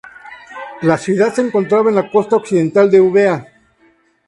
La ciudad se encontraba en la costa occidental de Eubea.